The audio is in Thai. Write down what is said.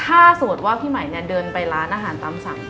ถ้าสมมุติว่าพี่ใหม่เดินไปร้านอาหารตามสั่ง